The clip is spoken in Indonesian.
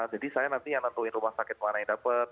jadi saya nanti yang nentuin rumah sakit mana yang dapat